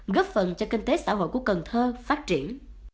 góp phần cho kinh tế xã hội của cần thơ phát triển